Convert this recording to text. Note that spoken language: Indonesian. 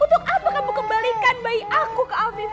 untuk apa kamu kembalikan bayi aku ke afif